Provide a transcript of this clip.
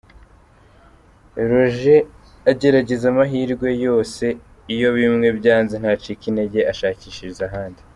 Roger agerageza amahirwe yose, iyo bimwe byanze ntacika intege ashakishiriza ahandi.